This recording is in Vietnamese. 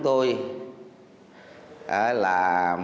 rằng đối tượng có bị thương